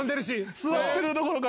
座ってるどころか。